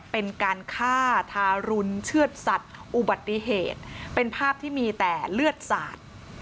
เป็นการฆ่าทารุณเชื่อดสัตว์อุบัติเหตุเป็นภาพที่มีแต่เลือดสาด